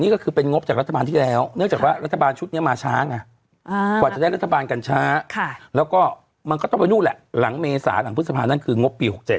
ก็คือเอาง่ายก็ว่างงบ